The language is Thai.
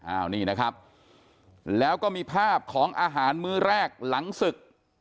อ้าวนี่นะครับแล้วก็มีภาพของอาหารมื้อแรกหลังศึก